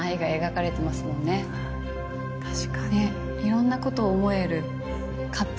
確かに。